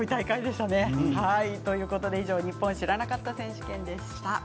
以上「ニッポン知らなかった選手権」でした。